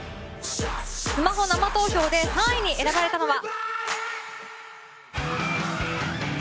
スマホ生投票で３位に選ばれたのは。